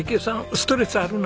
ストレスあるの？